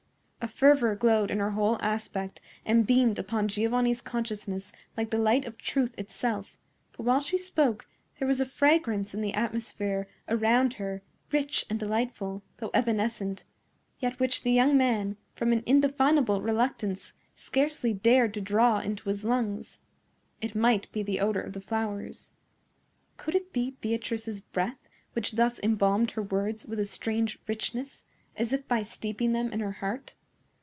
A fervor glowed in her whole aspect and beamed upon Giovanni's consciousness like the light of truth itself; but while she spoke there was a fragrance in the atmosphere around her, rich and delightful, though evanescent, yet which the young man, from an indefinable reluctance, scarcely dared to draw into his lungs. It might be the odor of the flowers. Could it be Beatrice's breath which thus embalmed her words with a strange richness, as if by steeping them in her heart?